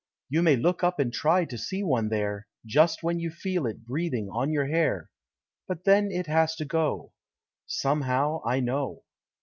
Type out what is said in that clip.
You may look up and try to see one there, Just when you feel It breathing on your hair; But then It has to go. Somehow, I know.